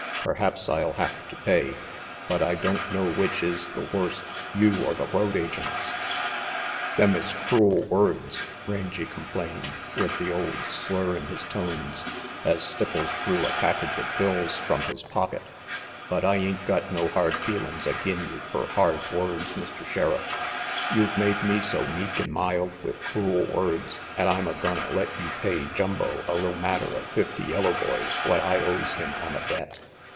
"Perhaps I'll have to pay. But I don't know which is the worst, you or the road agents." "Them is crool words," Rangy complained, with RANGY PETE the old slur in his tones, as Stipples drew a package of bills from his pocket, "but I ain't got no hard feelin's agin you fer hard words, Mr. Sheriff. You've made me so meek an' mild with crool words 'at I'm a gonna let you pay Jumbo a li'l matter of fifty yellow boys what I owes him on a bet.